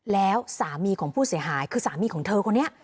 แล้วสามีของผู้เสียหายคือสามีของเธอคนนี้